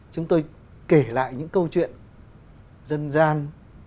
chúng tôi kể lại những câu chuyện dân gian